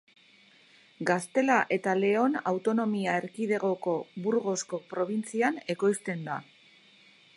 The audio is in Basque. Gaztela eta Leon autonomia erkidegoko Burgosko probintzian ekoizten da.